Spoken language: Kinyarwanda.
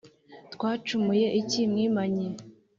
twacumuye iki mwimanyi